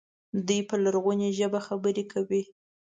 دوی په لرغونې ژبه خبرې کوي.